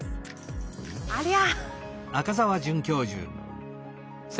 ありゃ。